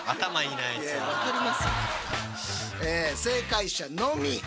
正解者のみ。